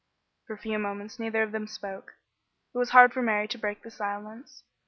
For a few moments neither of them spoke. It was hard for Mary to break the silence.